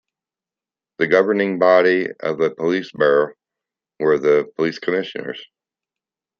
The governing body of a police burgh were the police commissioners.